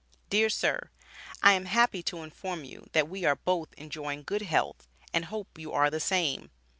DEAR SIR: I am happy to inform you that we are both enjoying good health and hope you are the same.